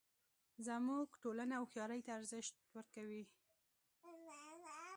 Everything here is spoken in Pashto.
زموږ ټولنه هوښیارۍ ته ارزښت ورکوي